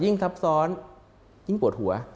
ทับซ้อนยิ่งปวดหัว